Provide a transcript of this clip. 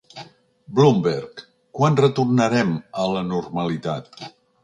Bloomberg: Quan retornarem a la normalitat?